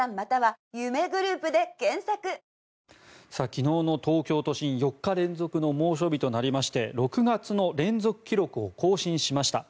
昨日の東京都心４日連続の猛暑日となりまして６月の連続記録を更新しました。